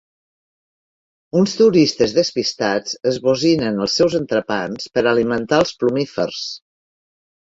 Uns turistes despistats esbocinen els seus entrepans per alimentar els plumífers.